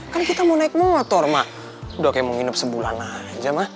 kan kita mau naik motor mak udah kayak mau nginep sebulan aja mak